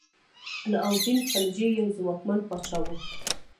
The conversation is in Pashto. علاء الدین خلجي یو ځواکمن پاچا و.